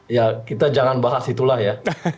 ya kita jangan bahas itulah ya